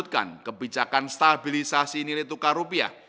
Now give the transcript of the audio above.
menyebutkan kebijakan stabilisasi nilai tukar rupiah